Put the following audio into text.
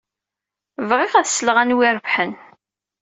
Bɣiɣ ad sleɣ anwa irebḥen.